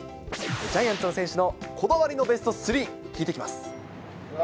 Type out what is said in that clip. ジャイアンツの選手のこだわりのベスト３、聞いてきます。